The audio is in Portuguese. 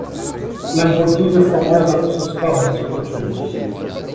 Lamborghini é famosa por seus carros esportivos.